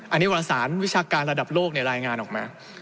อันนี้วารสารวิชาการระดับโลกรายงานออกมา